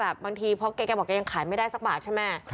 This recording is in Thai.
บางทีเพราะแกบอกแกยังขายไม่ได้สักบาทใช่ไหม